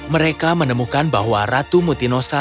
mereka menemukan bahwa ratu mutinosa